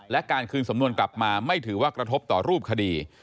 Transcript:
และการคืนสำนวนกลับมาไม่ถือว่ากระทบต่อรูปคดี